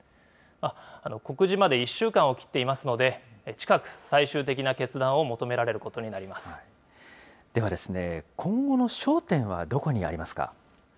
告示まで１週間を切っていますので、近く、最終的な決断を求めらでは今後の焦点はどこにありますか。